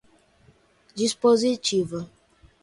dispositiva